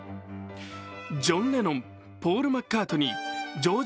ジョン・レノン、ポール・マッカートニー、